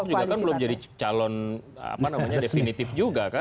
ahok juga kan belum jadi calon definitif juga kan